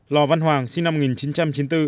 lò văn hoàng sinh năm một nghìn chín trăm chín mươi bốn